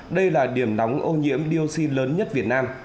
đây là điểm nóng ô nhiễm dioxin lớn nhất việt nam